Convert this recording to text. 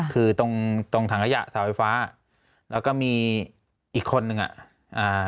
คือตรงถังระยะสาวไฟฟ้าแล้วก็มีอีกคนนึงอ่ะ